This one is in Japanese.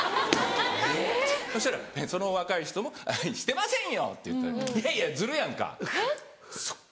・えぇ・そしたらその若い人も「してませんよ！」って言った「いやいやズルやんか」。えっ？